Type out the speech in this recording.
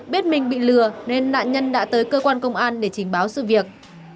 biết mình bị lừa nên nạn nhân đã tới cơ quan công an để trình báo sự việc